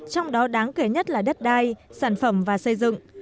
trong đó đáng kể nhất là đất đai sản phẩm và xây dựng